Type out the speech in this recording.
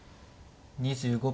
２５秒。